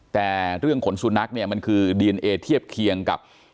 แต่เรื่องขนสุนัขเนี่ยมันคือดีเอนเอเทียบเคียงกับ